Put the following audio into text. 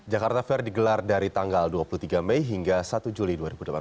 jakarta fair digelar dari tanggal dua puluh tiga mei hingga satu juli dua ribu delapan belas